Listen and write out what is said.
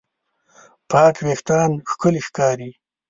پاک وېښتيان ښکلي ښکاري.